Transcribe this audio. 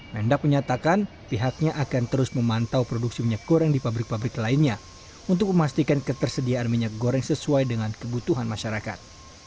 mendak menyatakan pihaknya akan terus memantau produksi minyak goreng di pabrik pabrik lainnya untuk memastikan ketersediaan minyak goreng sesuai dengan kebutuhan masyarakat